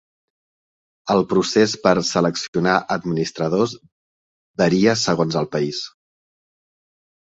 El procés per seleccionar administradors varia segons el país.